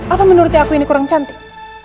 atau menurutnya aku ini kurang cantik